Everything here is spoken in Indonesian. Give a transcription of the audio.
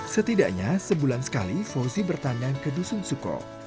setidaknya sebulan sekali fauzi bertandang ke dusun suko